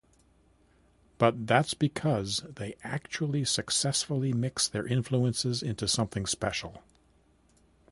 But that’s because they actually successfully mix their influences into something special.